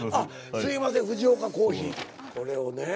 すいません藤岡、珈琲これをね。